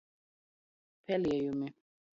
Peliejumi.